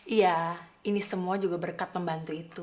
iya ini semua juga berkat pembantu itu